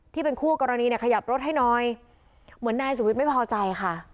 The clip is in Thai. ที่เป็นคู่กรณีเนี่ยขยับรถให้หน่อยเหมือนนายสุวิทย์ไม่พอใจค่ะ